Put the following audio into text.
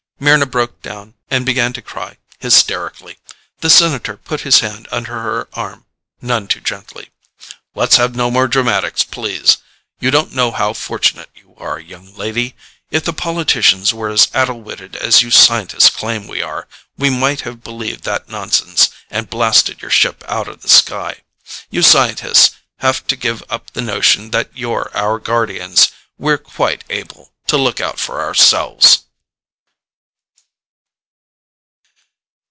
Mryna broke down and began to cry hysterically. The senator put his hand under her arm none too gently. "Let's have no more dramatics, please. You don't know how fortunate you are, young lady. If the politicians were as addle witted as you scientists claim we are, we might have believed that nonsense and blasted your ship out of the sky. You scientists have to give up the notion that you're our guardians; we're quite able to look out for ourselves."